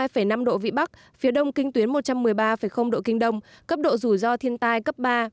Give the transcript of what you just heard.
một hai năm độ vĩ bắc phía đông kinh tuyến một trăm một mươi ba độ kinh đông cấp độ rủi ro thiên tai cấp ba